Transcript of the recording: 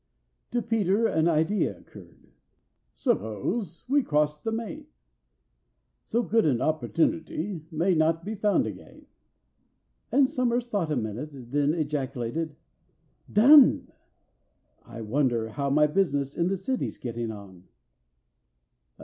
To PETER an idea occurred. "Suppose we cross the main? So good an opportunity may not be found again." And SOMERS thought a minute, then ejaculated, "Done! I wonder how my business in the City's getting on?"